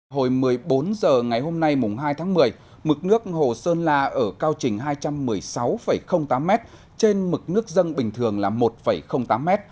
hồi một mươi bốn h ngày hôm nay hai tháng một mươi mực nước hồ sơn la ở cao trình hai trăm một mươi sáu tám m trên mực nước dân bình thường là một tám m